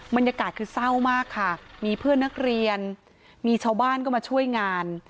บรรยากาศคือเศร้ามากค่ะมีเพื่อนนักเรียนมีชาวบ้านก็มาช่วยงาน